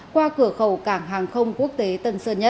qua cửa khẩu